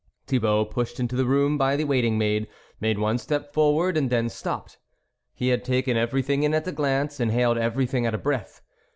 Thibault pushed into the room by the waiting maid, made one step forward, and then stopped. He had taken everything in at a glance, inhaled everything at a breath.